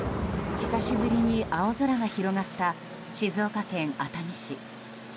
久しぶりに青空が広がった静岡県熱海市。